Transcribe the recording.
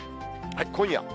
今夜。